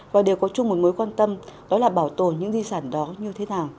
và đều có chung một mối quan tâm đó là bảo tồn những di sản đó như thế nào